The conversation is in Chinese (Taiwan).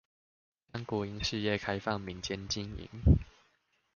將國營事業開放民間經營